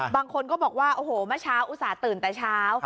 บางคนก็บอกว่าโอ้โหเมื่อเช้าอุตส่าห์ตื่นแต่เช้า